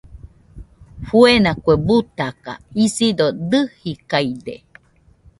Fuena kue butaka , isido dɨjikaide.